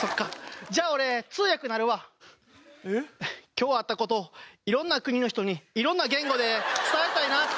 今日あった事をいろんな国の人にいろんな言語で伝えたいなって思って。